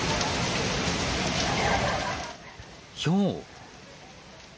ひょう。